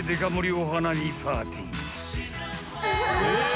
お花見パーティー。